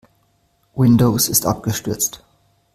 Windows ist abgestürzt.